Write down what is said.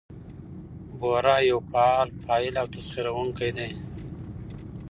بورا يو فعال فاعل او تسخيروونکى دى؛